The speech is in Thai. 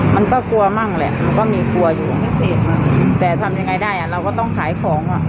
มันก็กลัวมั่งแหละมันก็มีกลัวอยู่พิเศษแต่ทำยังไงได้อ่ะเราก็ต้องขายของอ่ะ